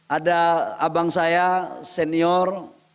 ada abang saya senior